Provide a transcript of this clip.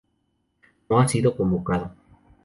No ha sido convocado.